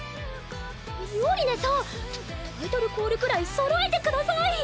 ミオリネさんタイトルコールくらいそろえてください